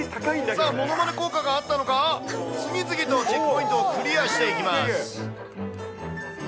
さあ、ものまね効果があったのか、次々とチェックポイントをクリアしていきます。